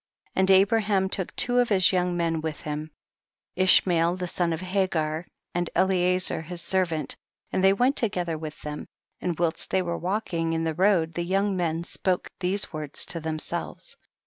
21. And Abraham took two of his young men with him, Ishmael the son of Hagar and Eliezer his servant, and they went together with them, and whilst they were walking in the road the young men spoke these words to themselves.